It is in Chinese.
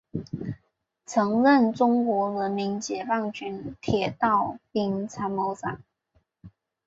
曾任中国人民解放军铁道兵参谋长。